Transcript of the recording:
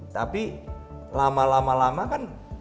tapi lama lama kan